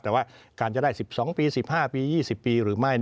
แต่ว่าการจะได้๑๒ปี๑๕ปี๒๐ปีหรือไม่